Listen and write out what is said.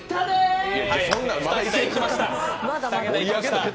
２桁いきました。